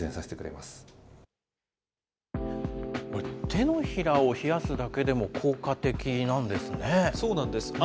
手のひらを冷やすだけでも効果的なんですね。